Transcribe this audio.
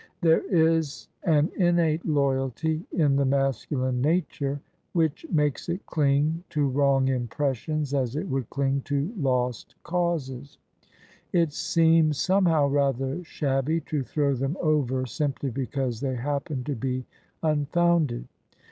There is an innate loyalty in the masculine nature which makes it cling to wrong impressions as it would cling to lost causes: it seems somehow rather shabby to throw them over simply because they happen to be unfounded.